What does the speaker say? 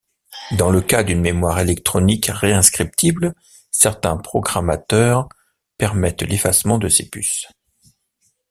Dans le cas d'une mémoire électronique réinscriptible certains programmateurs permettent l’effacement de ces puces.